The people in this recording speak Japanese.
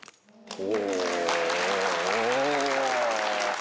お！